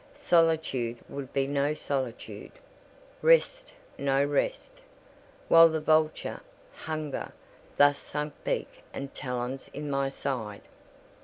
Solitude would be no solitude—rest no rest—while the vulture, hunger, thus sank beak and talons in my side.